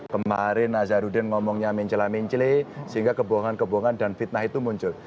kemarin nazarudin ngomongnya mincela mincele sehingga kebohongan kebohongan dan fitnah itu muncul